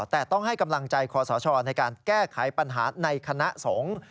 แต่ต้องให้กำลังใจคอสชในการแก้ไขปัญหาในคณะสงฆ์